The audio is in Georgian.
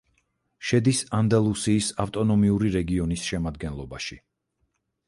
შედის ანდალუსიის ავტონომიური რეგიონის შემადგენლობაში.